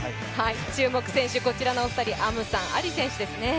注目選手、こちらのお二人、アムサン、アリ選手ですね。